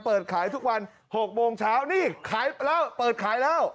เปิดขายทุกวัน๖โมงเช้านี่ขายแล้วเปิดขายแล้ว